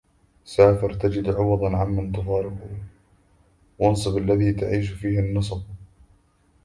سافر تجد عوضًـا عمن تفارقــه... وانْصَبْ فإن لذيذ العيش في النَّصب